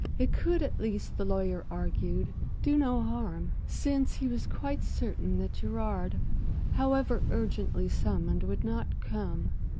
It could at least, the lawyer argued, do no harm, since he was quite certain that Gerard however urgently summoned would not come.